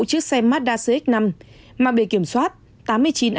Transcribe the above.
trước xe mazda cx năm mang bề kiểm soát tám mươi chín a một mươi bốn nghìn một trăm ba mươi sáu